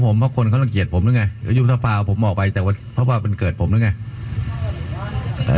ไปดูแกตอบว่าไง